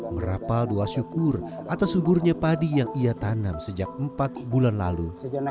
terima syukur atas huburnya padi yang ia tanam sejak empat bulan lalu